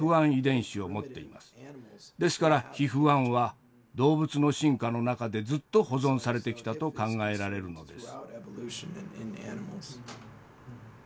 ですからＨＩＦ−１は動物の進化の中でずっと保存されてきたと考えられるのです。